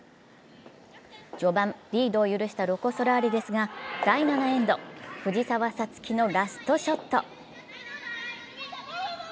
序盤、リードを許したロコ・ソラーレですが、第７エンド、藤澤五月のラストショット。